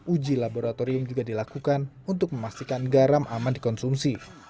uji laboratorium juga dilakukan untuk memastikan garam aman dikonsumsi